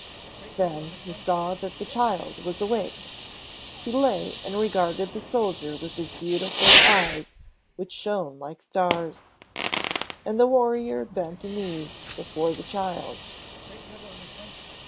Then he saw that the child was awake. He lay and regarded the soldier with the beautiful eyes which shone like stars. And the warrior bent a knee before the child.